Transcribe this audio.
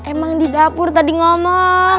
emang di dapur tadi ngomong